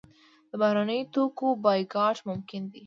د بهرنیو توکو بایکاټ ممکن دی؟